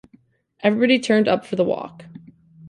Everybody turned up for the walk.